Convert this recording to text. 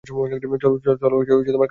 চলো, কাজ সেরে আসি।